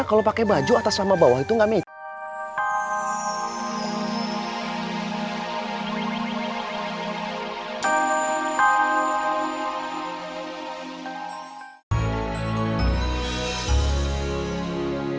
kalau pakai baju atas sama bawah itu gak mece